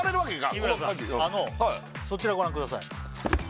日村さんそちらご覧ください